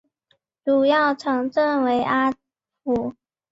主要城镇为阿普。